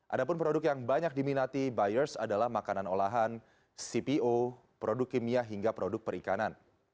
ada pun produk yang banyak diminati buyers adalah makanan olahan cpo produk kimia hingga produk perikanan